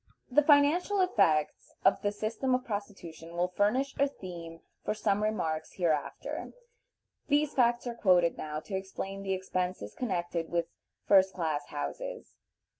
The financial effects of the system of prostitution will furnish a theme for some remarks hereafter. These facts are quoted now to explain the expenses connected with first class houses.